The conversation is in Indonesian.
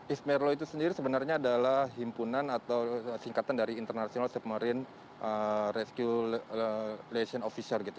ismerloh itu sendiri sebenarnya adalah himpunan atau singkatan dari international submarine rescue liaison officers